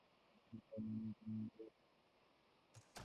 যার কারণেই আমি এখানে নিজের রক্তে লেপ্টে বসে আছি।